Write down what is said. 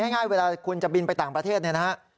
ง่ายเวลาคุณจะบินไปต่างประเทศเนี่ยนะฮะ